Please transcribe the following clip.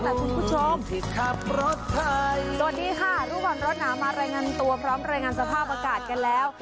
แต่คุณผู้ชมสวัสดีค่ะทุกคนรถหนามารายงานตัวพร้อมรายงานสภาพอากาศกันแล้ว